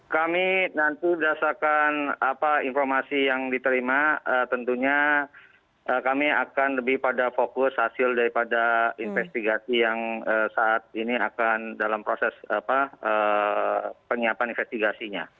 kami nanti berdasarkan informasi yang diterima tentunya kami akan lebih pada fokus hasil daripada investigasi yang saat ini akan dalam proses penyiapan investigasinya